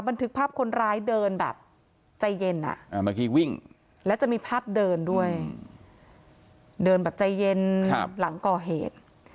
บันทึกภาพคนร้ายเดินแบบใจเย็นเมื่อกี้วิ่งแล้วจะมีภาพเดินด้วยเดินแบบใจเย็นหลังก่อเหตุ